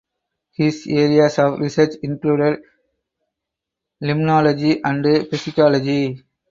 His areas of research included limnology and phycology.